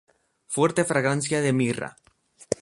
Fuerte fragancia de mirra.